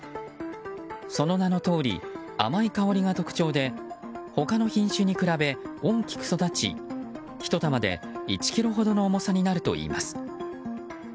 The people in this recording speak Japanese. その名のとおり甘い香りが特徴で他の品種に比べ大きく育ちひと玉で１ｋｇほどの重さになるといいます。